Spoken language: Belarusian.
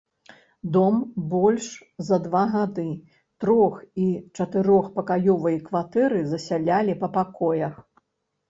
Дом больш за два гады, трох- і чатырохпакаёвыя кватэры засялялі па пакоях.